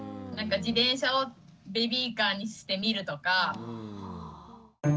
自転車をベビーカーにしてみるとか。